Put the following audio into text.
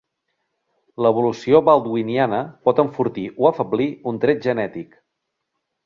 L'evolució baldwiniana pot enfortir o afeblir un tret genètic.